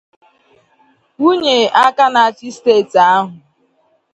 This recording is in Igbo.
nwunye aka na-achị steeti ahụ